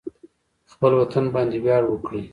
خپل وطن باندې ویاړ وکړئ